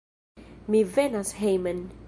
Mi venas hejmen.